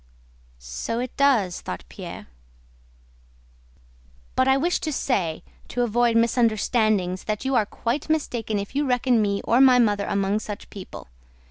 "So it does," thought Pierre. "But I just wish to say, to avoid misunderstandings, that you are quite mistaken if you reckon me or my mother among such people.